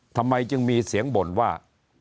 ทำไมจึงมีเสียงบ่นว่า